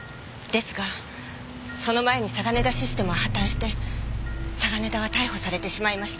ですがその前にサガネダ・システムは破綻して嵯峨根田は逮捕されてしまいました。